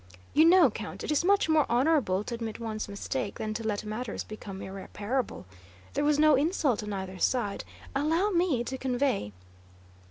"You know, Count, it is much more honorable to admit one's mistake than to let matters become irreparable. There was no insult on either side. Allow me to convey...."